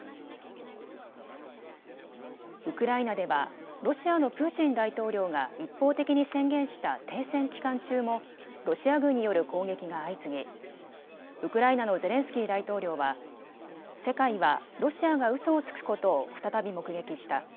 ウクライナではロシアのプーチン大統領が一方的に宣言した停戦期間中もロシア軍による攻撃が相次ぎウクライナのゼレンスキー大統領は世界はロシアがうそをつくことを再び目撃した。